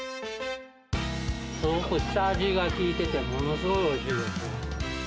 下味が効いてて、ものすごいおいしいです。